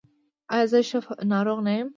ایا زه ښه ناروغ یم؟